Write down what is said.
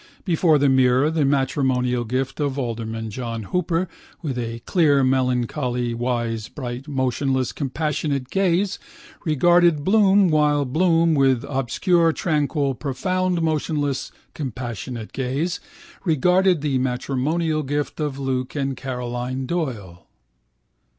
Before the mirror the matrimonial gift of Alderman John Hooper with a clear melancholy wise bright motionless compassionate gaze regarded Bloom while Bloom with obscure tranquil profound motionless compassionated gaze regarded the matrimonial gift of Luke and Caroline Doyle.